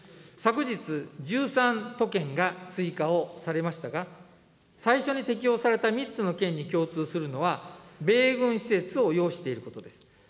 昨日、１３都県が追加をされましたが、最初に適用された３つの県に共通するのは、米軍施設を擁していることです。